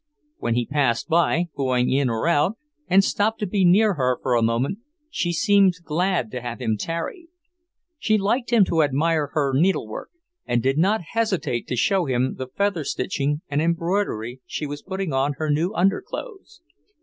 When he passed by, going in or out, and stopped to be near her for a moment, she seemed glad to have him tarry. She liked him to admire her needlework, and did not hesitate to show him the featherstitching and embroidery she was putting on her new underclothes.